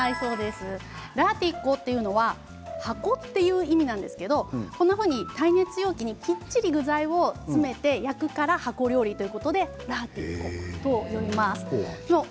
ラーティッコというのは箱という意味なんですけどこんなふうに耐熱容器にきっちり具材を詰めて焼くから箱、ということでラーティッコというんです。